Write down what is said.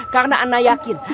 karena anak yakin